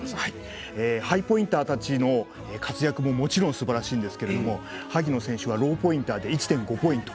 ハイポインターたちの活躍ももちろんすばらしいんですけれど萩野選手はローポインターで１．５ポイント。